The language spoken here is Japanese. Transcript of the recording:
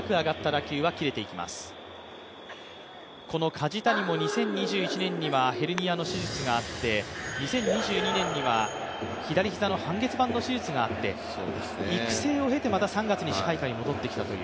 梶谷も２０２１年にはヘルニアの手術があって、２０２２年には、左膝の半月板の手術もあって、育成を経て３月に支配下に戻ってきたという。